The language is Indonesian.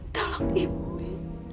tolong kasih tahu ibu wi